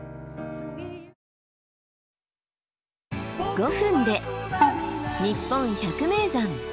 ５分で「にっぽん百名山」。